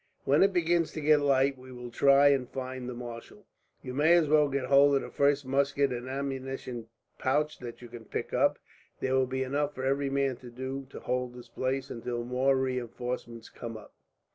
When it begins to get light, we will try and find the marshal. "You may as well get hold of the first musket and ammunition pouch that you can pick up. There will be enough for every man to do to hold this place until more reinforcements come up."